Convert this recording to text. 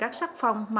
bảo tàng tỉnh bình thuận